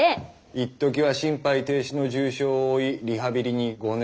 一時は心肺停止の重傷を負いリハビリに５年。